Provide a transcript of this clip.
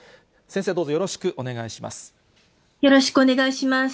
先生、どうぞよろしくお願いします。